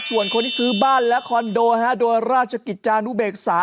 ส่วนคนที่ซื้อบ้านและคอนโดโดยราชกิจจานุเบกษา